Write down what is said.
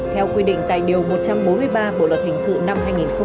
theo quy định tại điều một trăm bốn mươi ba bộ luật hình sự năm hai nghìn một mươi năm